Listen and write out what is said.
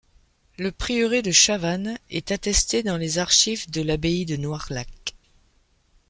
Le prieuré de Chavannes est attesté dans les archives de l'abbaye de Noirlac.